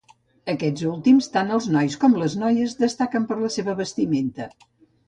Aquests últims, tant els nois com les noies, destaquen per la seva vestimenta.